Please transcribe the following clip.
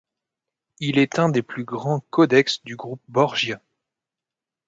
Il est un des plus grands codex du groupe Borgia.